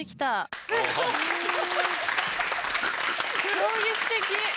衝撃的。